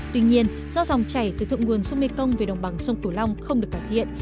tuy nhiên do dòng chảy từ thượng nguồn sông mê công về đồng bằng sông cửu long không được cải thiện